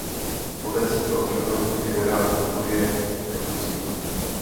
Poté se stal členem generální kurie Kapucínů.